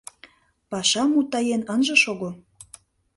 Пашам мутаен ынже шого.